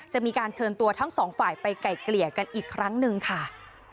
จะมีการเชิญตัวทั้งสองฝ่ายไปไกลเกลี่ยกันอีกครั้งหนึ่งค่ะ